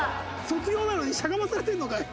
「卒業なのにしゃがまされてるのかい？」